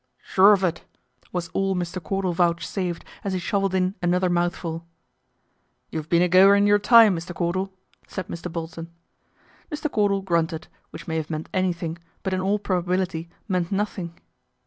" Sure of it/' was all Mr. Cordal vouchsafed as he shovelled in another mouthful. " You've been a goer in your time, Mr. Cordal," said Mr. Bolton. Mr. Cordal grunted, which may have meant any thing, but in all probability meant nothing.